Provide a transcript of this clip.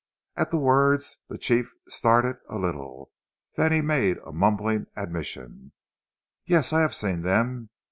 At the words the Chief started a little, then he made a mumbling admission: "Yes, I have seen them.